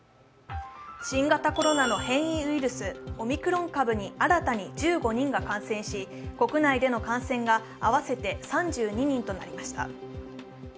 新型コロナの変異ウイルス、オミクロン株に新たに１５人が感染し、国内での感染が合わせて３２人となりました。